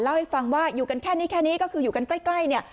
เล่าให้ฟังว่าอยู่กันแค่นี้ก็คือยู่กันใกล้